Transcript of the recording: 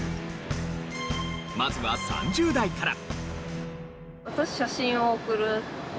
まずは３０代から。